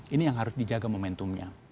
ini yang harus dijaga momentumnya